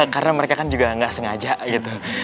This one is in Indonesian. karena mereka kan juga nggak sengaja gitu